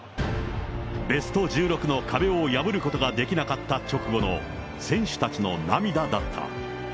ベスト１６の壁を破ることができなかった直後の選手たちの涙だった。